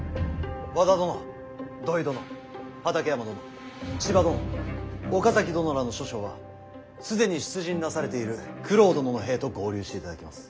和田殿土肥殿畠山殿千葉殿岡崎殿らの諸将は既に出陣なされている九郎殿の兵と合流していただきます。